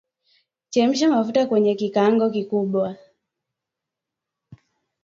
Chemsha mafuta kwenye kikaango kikubwa